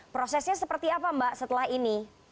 prosesnya seperti apa mbak setelah ini